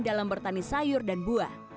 dalam bertani sayur dan buah